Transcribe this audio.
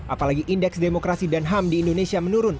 apalagi indeks demokrasi dan ham di indonesia menurun